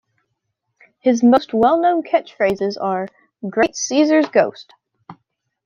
His most well-known catchphrases are Great Caesar's ghost!